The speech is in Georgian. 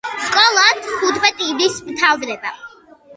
სკოლა თუთხმეტ ივნის მთავრდება